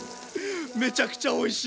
めちゃくちゃおいしい！